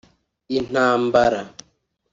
Intambara